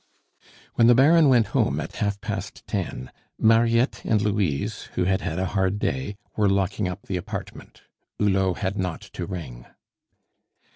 When the Baron went home at half past ten, Mariette and Louise, who had had a hard day, were locking up the apartment. Hulot had not to ring.